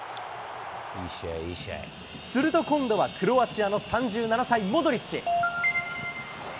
すると今度はクロアチアの３７歳、モドリッチ。